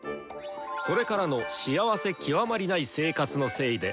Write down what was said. それからの幸せ極まりない生活のせいで。